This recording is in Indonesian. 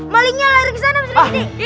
malingnya lari ke sana pak serigiti